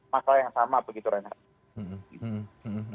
masalah yang sama begitu renhardt